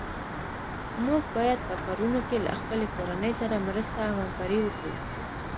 موږ باید په کارونو کې له خپلې کورنۍ سره مرسته او همکاري وکړو.